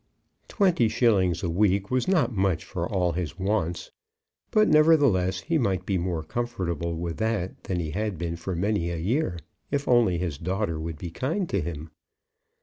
Twenty shillings a week was not much for all his wants; but, nevertheless, he might be more comfortable with that than he had been for many a year, if only his daughter would be kind to him.